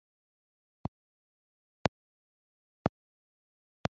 Mw'itangazo umuryango wasohoye,